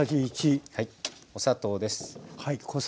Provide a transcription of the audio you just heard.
お砂糖です。